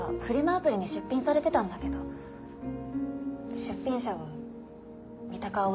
アプリに出品されてたんだけど出品者は三鷹蒼くんなの。えっ！？